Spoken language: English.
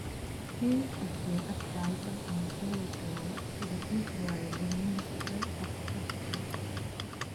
He is the advisor on Jewish Law to the Israeli Ministry of Justice.